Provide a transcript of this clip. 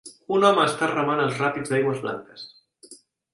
Un home està remant als ràpids d'aigües blanques.